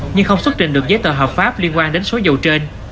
nhưng không xuất trình được giấy tờ hợp pháp liên quan đến số dầu trên